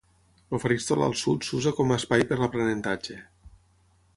El faristol al sud s'usa com espai per l'aprenentatge.